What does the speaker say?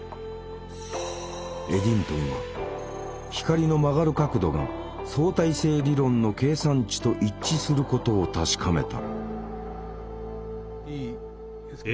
エディントンは光の曲がる角度が相対性理論の計算値と一致することを確かめた。